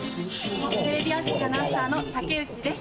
テレビ朝日アナウンサーのタケウチです。